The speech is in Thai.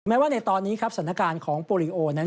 ว่าในตอนนี้ครับสถานการณ์ของโปรลิโอนั้น